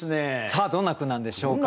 さあどんな句なんでしょうか。